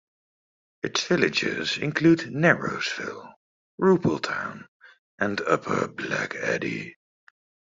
Its villages include Narrowsville, Rupletown, and Upper Black Eddy.